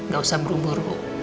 gak usah buru buru